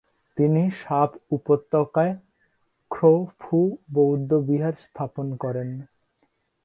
তিনি শাব উপত্যকায় খ্রো-ফু বৌদ্ধবিহার স্থাপন করেন।